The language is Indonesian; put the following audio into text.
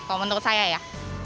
kalau menurut saya ya